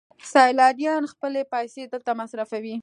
سیلانیان خپلې پیسې دلته مصرفوي.